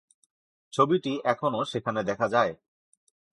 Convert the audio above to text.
ছবিটি এখনও সেখানে দেখা যায়।